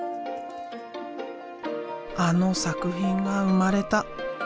あの作品が生まれた。